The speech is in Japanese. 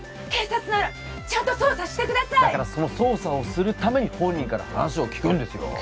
警察ならちゃんと捜査してくださいだからその捜査をするために本人から話を聞くんですよ